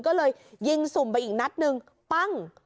ก็เลยยิงสุ่มไปอีกนัดนึงปั้ง